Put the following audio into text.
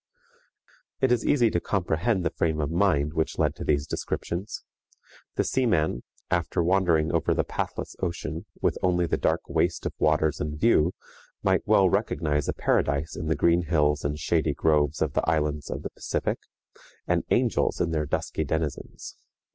It is easy to comprehend the frame of mind which led to these descriptions. The seaman, after wandering over the pathless ocean, with only the dark waste of waters in view, might well recognize a paradise in the green hills and shady groves of the islands of the Pacific, and angels in their dusky denizens.